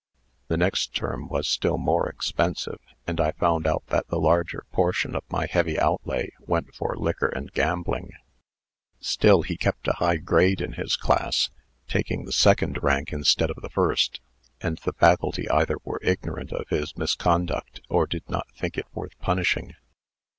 "The next term was still more expensive; and I found out that the larger portion of my heavy outlay went for liquor and gambling. Still he kept a high grade in his class taking the second rank instead of the first; and the Faculty either were ignorant of his misconduct, or did not think it worth punishing.